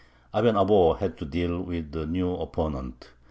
Aben Abó had to deal with a new opponent.